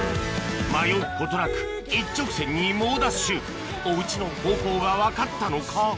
迷うことなく一直線に猛ダッシュおウチの方向が分かったのか？